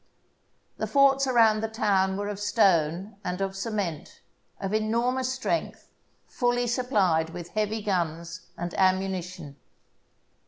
The forts around the town were of stone and of cement, of enormous strength, fully supplied with heavy guns and ammunition.